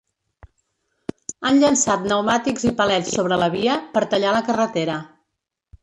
Han llançat pneumàtics i palets sobre la via per tallar la carretera.